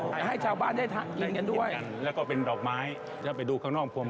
ให้ชาวบ้านได้กินกันด้วย